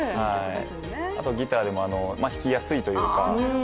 あとギターでも弾きやすいというか。